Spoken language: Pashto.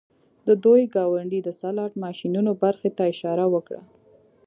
د دوی ګاونډۍ د سلاټ ماشینونو برخې ته اشاره وکړه